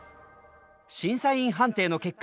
審査員判定の結果